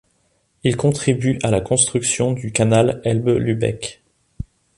Il contribue à la construction du canal Elbe-Lübeck.